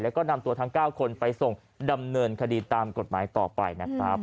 แล้วก็นำตัวทั้ง๙คนไปส่งดำเนินคดีตามกฎหมายต่อไปนะครับ